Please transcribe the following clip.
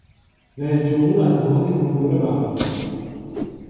رئیس جمهور از حمایت کنگره برخوردار است.